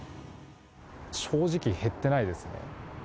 正直、減ってないですね。